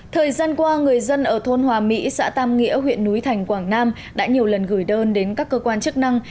thời gian qua người dân ở thôn hòa mỹ xã tam nghĩa huyện núi thành quảng nam đã nhiều lần gửi đơn đến các cơ quan chức năng